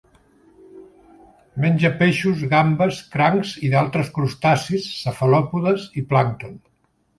Menja peixos, gambes, crancs i d'altres crustacis, cefalòpodes i plàncton.